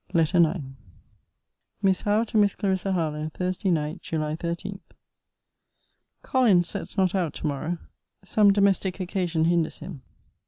LETTER IX MISS HOWE, TO MISS CLARISSA HARLOWE THURSDAY NIGHT, JULY 13. Collins sets not out to morrow. Some domestic occasion hinders him.